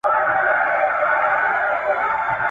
پر خپل قوم هم نیوکه کوي